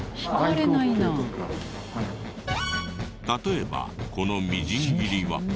例えばこの「みじん切り」は。